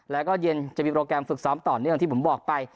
แล้วก็เย็นจะมีโปรแกรมฝึกซ้อมต่อเนื่องที่ผมบอกไป